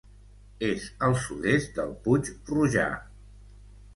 És al sud-est del Puig Rojà.